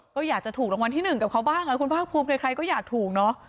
ก็อยากจะถูกรางวัลที่๑กับเขาบ้างคุณภาคภูมิใครก็อยากถูกเนอะ